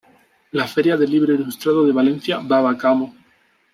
La feria del libro ilustrado de Valencia, "Baba Kamo.